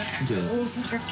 大阪。